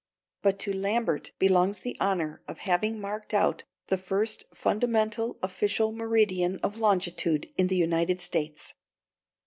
But to Lambert belongs the honor of having marked out the first fundamental official meridian of longitude in the United States.